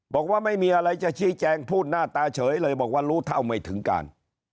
บอกว่าไม่มีอะไรจะชี้แจงพูดหน้าตาเฉยเลยบอกว่ารู้เท่าไม่ถึงการ